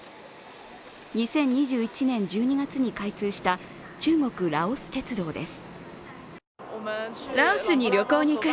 ２０２１年１２月に開通した中国ラオス鉄道です。